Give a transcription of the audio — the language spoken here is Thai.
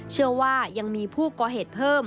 เชื่อว่ายังมีผู้ก่อเหตุเพิ่ม